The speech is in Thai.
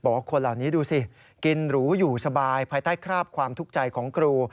คนเหล่านี้ดูสิกินหรูอยู่สบายภายใต้คราบความทุกข์ใจของครู